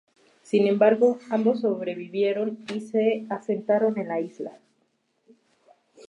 Sin embargo, ambos sobrevivieron y se asentaron en la isla.